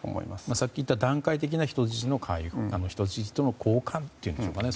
さっき言った段階的な人質の解放交換というんでしょうかね。